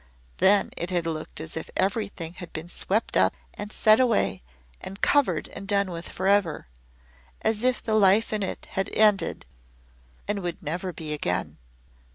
Then it had looked as if everything had been swept up and set away and covered and done with forever as if the life in it had ended and would never begin again.